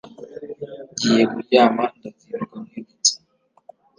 giye kuryama ndazinduka nkwibutsa